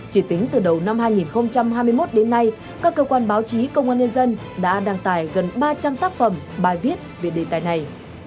chỉ tính từ đầu năm hai nghìn hai mươi một đến nay các cơ quan báo chí công an nhân dân đã đăng tải gần ba trăm linh tác phẩm bài viết về đề tài này